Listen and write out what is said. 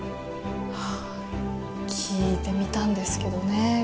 あ聴いてみたんですけどね